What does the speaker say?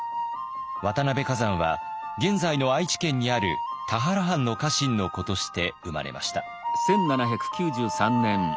渡辺崋山は現在の愛知県にある田原藩の家臣の子として生まれました。